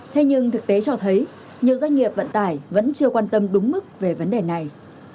thế nhưng thực tế cho thấy nhiều doanh nghiệp vận tải vẫn chưa quan tâm đúng mức về vấn đề này